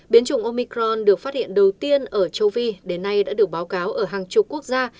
biến chủng omicron được phát hiện đầu tiên ở châu phi đến nay đã được báo cáo ở hàng chục quốc gia